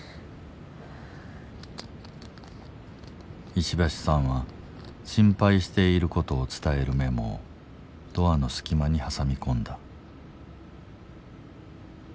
石橋さんは心配していることを伝えるメモをドアの隙間に挟み込んだ。